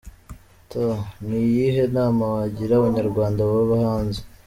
T: Ni iyihe nama wagira Abanyarwanda baba hanze?.